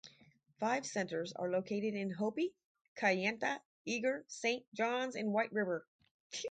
Five centers are located in Hopi, Kayenta, Eagar, Saint Johns, and Whiteriver.